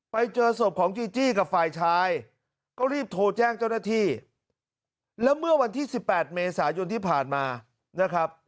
ไปเจอศพของจีจี้กับฝ่ายชายก็รีบโทรแจ้งเจ้าหน้าที่แล้วเมื่อวันที่๑๘เมษายนที่ผ่านมานะครับ